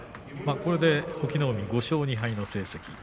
これで隠岐の海５勝２敗の成績。